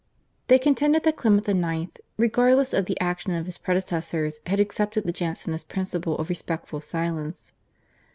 They contended that Clement IX., regardless of the action of his predecessors, had accepted the Jansenist principle of respectful silence.